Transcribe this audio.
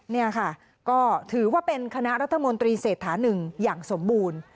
นี่ค่ะก็ถือว่าเป็นคณะรัฐมนตรีเศรษฐานึงอย่างสมบูรณ์